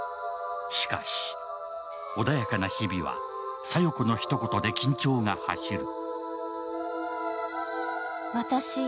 しかし、穏やかな日々は小夜子のひと言で緊張が走る。